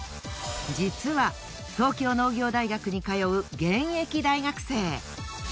実は東京農業大学に通う現役大学生。